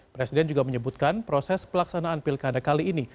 presiden juga menyebutkan proses pelaksanaan pilkada kali ini